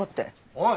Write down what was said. おい！